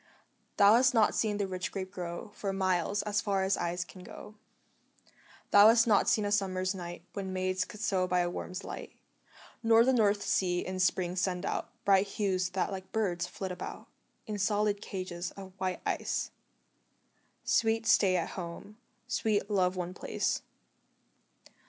Thou hast not seen the rich grape grow For miles, as far as eyes can go; Thou hast not seen a summer's night When maids could sew by a worm's light; Nor the North Sea in spring send out Bright hues that like birds flit about In solid cages of white ice Sweet Stay at Home, sweet Love one place.